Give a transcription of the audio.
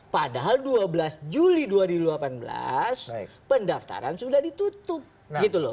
padahal dua belas juli dua ribu delapan belas pendaftaran sudah ditutup gitu loh